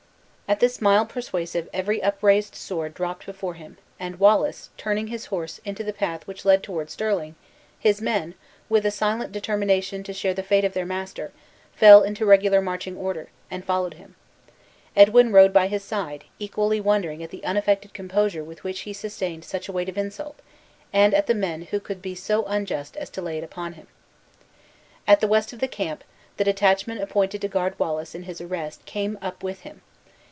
At this mild persuasive every upraised sword dropped before him, and Wallace, turning his horse into the path which led toward Stirling, his men, with a silent determination to share the fate of their master, fell into regular marching order, and followed him. Edwin rode by his side, equally wondering at the unaffected composure with which he sustained such a weight of insult, and at the men who could be so unjust as to lay it upon him. At the west of the camp, the detachment appointed to guard Wallace in his arrest came up with him.